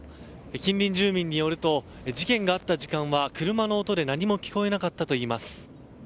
近隣住民によると事件があった時間は車の音で何も聞こえなかったといいます。